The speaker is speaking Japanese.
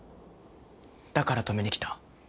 だから止めに来た。